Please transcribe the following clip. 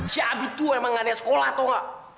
si abis itu emang ada sekolah toh